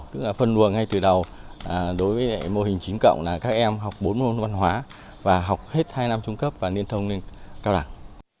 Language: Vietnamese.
tức là phân luồng ngay từ đầu đối với mô hình chín cộng là các em học bốn môn văn hóa và học hết hai năm trung cấp và liên thông lên cao đẳng